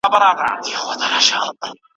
زه په لمبو کي د پتنګ میني منلی یمه